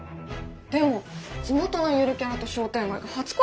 でも地元のゆるキャラと商店街が初コラボだよ？